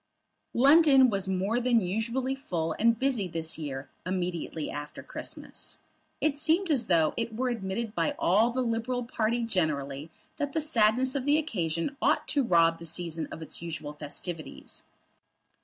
London was more than usually full and busy this year immediately after Christmas. It seemed as though it were admitted by all the Liberal party generally that the sadness of the occasion ought to rob the season of its usual festivities.